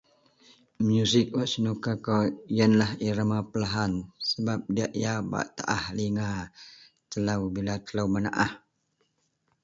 Muzik wak senuka kou yenlah irama perlahan sebap diyak yau bak taah linga telou bila menaah